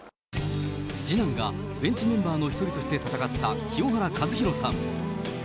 次男がベンチメンバーの一人として戦った清原和博さん。